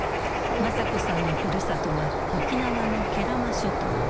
昌子さんのふるさとは沖縄の慶良間諸島。